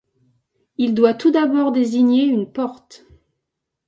Il doit tout d'abord désigner une porte.